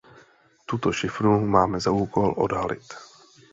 Tuto šifru máme za úkol odhalit.